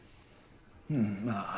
うんまあ